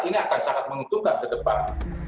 ini akan sangat menguntungkan ke depan